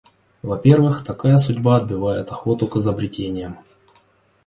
Во-первых, такая судьба отбивает охоту к изобретениям.